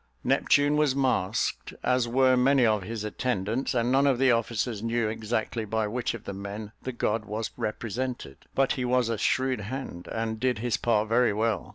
Neptune was masked, as were many of his attendants, and none of the officers knew exactly by which of the men the god was represented; but he was a shrewd hand, and did his part very well.